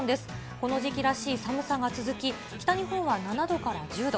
この時期らしい寒さが続き、北日本は７度から１０度。